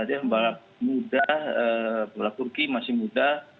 dia pembalap muda pembalap turki masih muda